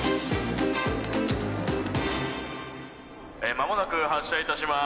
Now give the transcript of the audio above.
間もなく発車いたします。